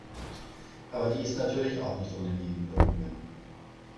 Aber die ist natürlich auch nicht ohne Nebenwirkungen.